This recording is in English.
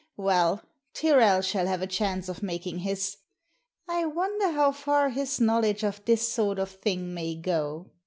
Well, Tyrrel shall have a chance of making his. I wonder how far his knowledge of this sort of thing may go